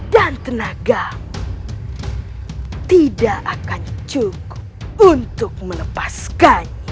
dan tenagamu tidak akan cukup untuk melepaskannya